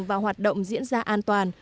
và hoạt động diễn ra an toàn